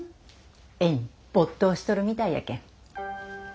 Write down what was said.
絵にぼっ頭しとるみたいやけん。